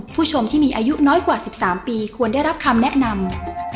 ผู้ชมที่มีอายุน้อยกว่า๑๓ปีควรได้รับคำแนะนำ